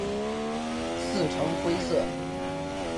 刺呈灰色。